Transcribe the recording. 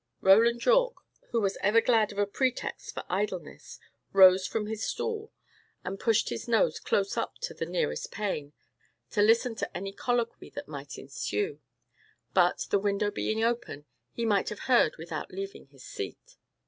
Roland Yorke, who was ever glad of a pretext for idleness, rose from his stool, and pushed his nose close up to the nearest pane, to listen to any colloquy that might ensue; but, the window being open, he might have heard without leaving his seat.